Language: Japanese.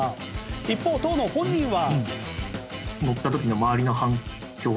一方、当の本人は。